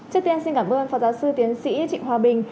trước tiên xin cảm ơn phó giáo sư tiến sĩ trịnh hòa bình